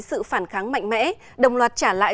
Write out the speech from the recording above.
sự phản kháng mạnh mẽ đồng loạt trả lại